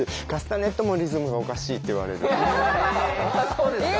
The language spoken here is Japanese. そうですか。